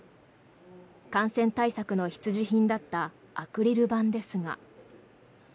感染対策の必需品だったアクリル板ですが。